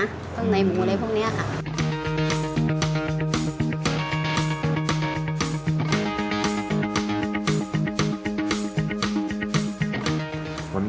เครื่องไนหมูไล่พวกนี้ค่ะ